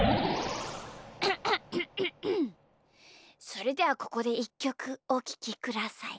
それではここでいっきょくおききください。